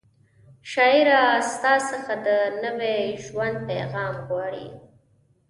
شاعره ستا څخه د نوي ژوند پیغام غواړي